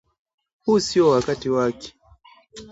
huu sio wakati wake